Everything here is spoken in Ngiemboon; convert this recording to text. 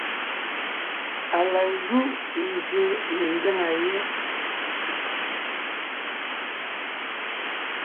Á la júʼ nzsyè ne ńgyáŋa yé,